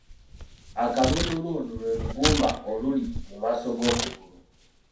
Akalundulundu lwe lugumba oluli mu maaso g’okugulu .